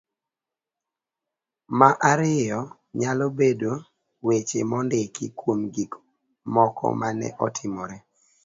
ma ariyo .nyalo bed weche mondiki kuom gikmoko mane otimore.